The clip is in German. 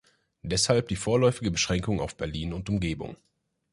Deshalb die vorläufige Beschränkung auf Berlin und Umgebung.